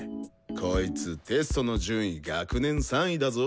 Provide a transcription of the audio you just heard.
こいつテストの順位学年３位だぞ。